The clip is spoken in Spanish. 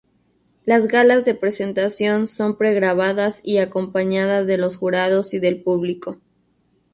Las galas de presentación son pregrabadas y acompañadas de los jurados y del público.